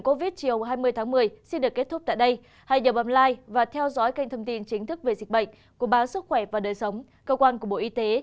cảm ơn các bạn đã theo dõi và ủng hộ cho bộ y tế